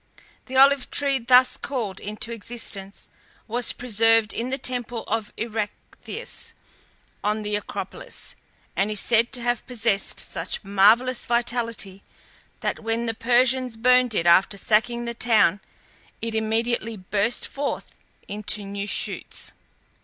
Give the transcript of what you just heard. The olive tree thus called into existence was preserved in the temple of Erectheus, on the Acropolis, and is said to have possessed such marvellous vitality, that when the Persians burned it after sacking the town it immediately burst forth into new shoots.